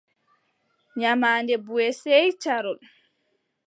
Nyamaande buʼe, sey caarol.